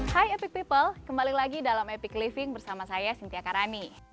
hai epic people kembali lagi dalam epic living bersama saya sintiakarani